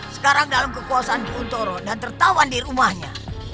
sekarang dalam kekuasaan buntoro dan tertawan di rumahnya